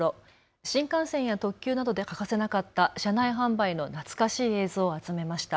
新幹線や特急などで欠かせなかった車内販売の懐かしい映像を集めました。